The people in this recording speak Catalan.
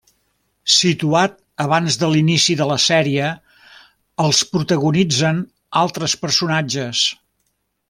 Situat abans de l'inici de la sèrie, els protagonitzen altres personatges.